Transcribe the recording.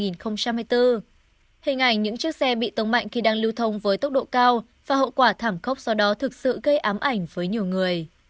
hình ảnh những chiếc xe bị tông mạnh khi đang lưu thông với tốc độ cao và hậu quả thảm khốc sau đó thực sự gây ám ảnh với nhiều người